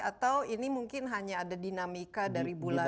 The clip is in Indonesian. atau ini mungkin hanya ada dinamika dari bulan